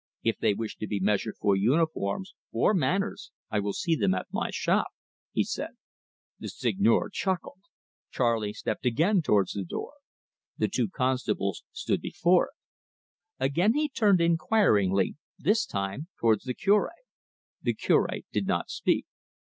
"If they wish to be measured for uniforms or manners I will see them at my shop," he said. The Seigneur chuckled. Charley stepped again towards the door. The two constables stood before it. Again he turned inquiringly, this time towards the Cure. The Cure did not speak.